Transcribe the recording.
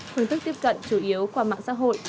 phương thức tiếp cận chủ yếu qua mạng xã hội